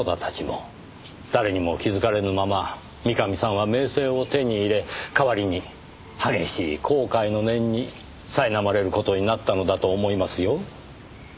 誰にも気づかれぬまま三上さんは名声を手に入れ代わりに激しい後悔の念にさいなまれる事になったのだと思いますよ。